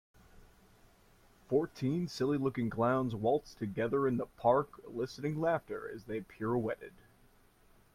Fourteen silly looking clowns waltzed together in the park eliciting laughter as they pirouetted.